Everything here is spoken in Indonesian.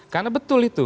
karena betul itu